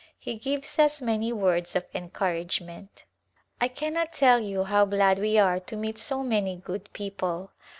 He gives us many words of encouragement. I cannot tell you how glad we are to meet so many good people.